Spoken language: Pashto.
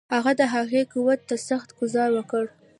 هغه د هغوی قوت ته سخت ګوزار ورکړ.